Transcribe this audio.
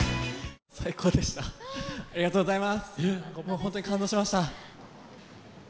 本当に感動しました。